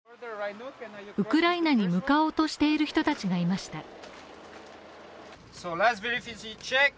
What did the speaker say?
ウクライナに向かおうとしている人たちがいました。